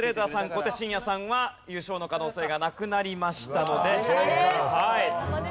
小手伸也さんは優勝の可能性がなくなりましたので。